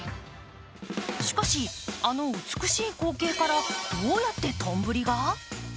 しかし、あの美しい光景からどうやってとんぶりが？